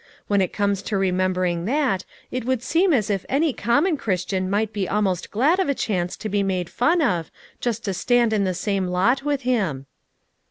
When it comes to remember ing that, it would seem as if any common Chris tian might be almost glad of a chance to be made fun of, just to stand in the same lot with him."